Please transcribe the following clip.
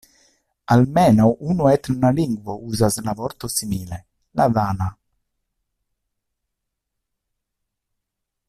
Almenaŭ unu etna lingvo uzas la vorton simile: la dana.